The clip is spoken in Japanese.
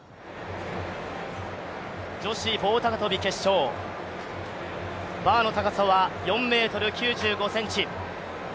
女子棒高跳決勝、バーの高さは４ｍ９５ｃｍ。